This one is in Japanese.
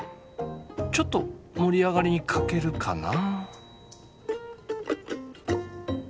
ちょっと盛り上がりに欠けるかな。